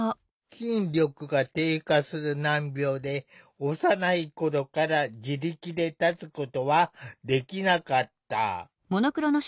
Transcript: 筋力が低下する難病で幼い頃から自力で立つことはできなかった。